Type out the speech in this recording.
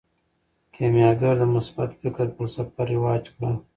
کیمیاګر د مثبت فکر فلسفه رواج کړه.